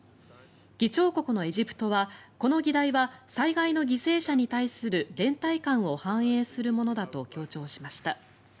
議長国のエジプトはこの議題は災害の犠牲者に対する連帯感を反映するものだと強調しました。